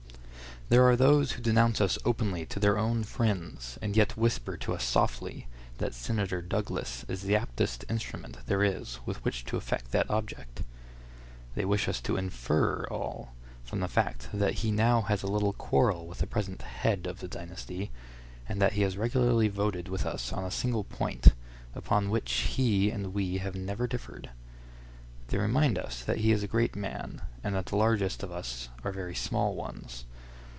There are those who denounce us openly to their own friends, and yet whisper to us softly that Senator Douglas is the aptest instrument there is with which to effect that object. They wish us to infer all, from the fact that he now has a little quarrel with the present head of the dynasty; and that he has regularly voted with us on a single point, upon which he and we have never differed. They remind us that he is a great man and that the largest of us are very small ones.